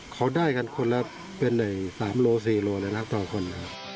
๓๔กิโลกรัมเลยครับต่อคนครับ